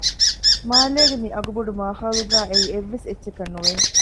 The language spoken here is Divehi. މާލޭގެ މި އަގުބޮޑު މާޚައުލުގައި އެއީ އެއްވެސް އެއްޗަކަށް ނުވެ